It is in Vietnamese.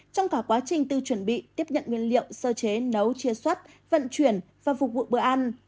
trong cả quá trình tư chuẩn bị tiếp nhận nguyên liệu sơ chế nấu chia xuất vận chuyển và phục vụ bữa ăn